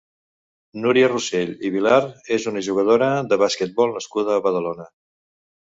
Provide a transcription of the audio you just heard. Núria Rossell i Vilar és una jugadora de basquetbol nascuda a Badalona.